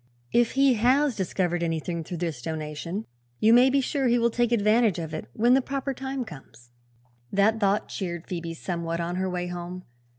"If he has discovered anything, through this donation, you may be sure he will take advantage of it when the proper time comes." That thought cheered Phoebe somewhat on her way home.